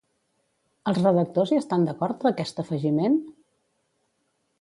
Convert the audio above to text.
Els redactors hi estan d'acord d'aquest afegiment?